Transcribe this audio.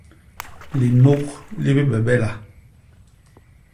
Linuk li bibebela.